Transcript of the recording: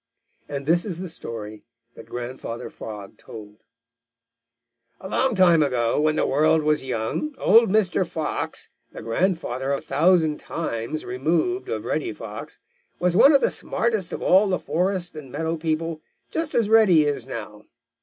And this is the story that Grandfather Frog told: "A long time ago, when the world was young, old Mr. Fox, the grandfather a thousand times removed of Reddy Fox, was one of the smartest of all the forest and meadow people, just as Reddy is now.